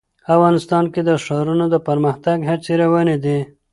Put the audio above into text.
افغانستان کې د ښارونه د پرمختګ هڅې روانې دي.